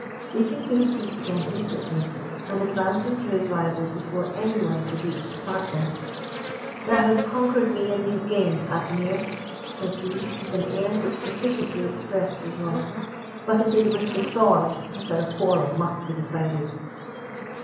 Leaping to his feet again instantly, and advancing to his rival before any one could reach to part them, "Thou hast conquered me in these games, Atimir," said he, with an air which sufficiently expressed his wrath, "but it is with the sword that our quarrel must be decided."